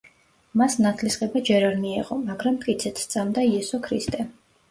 მას ნათლისღება ჯერ არ მიეღო, მაგრამ მტკიცედ სწამდა იესო ქრისტე.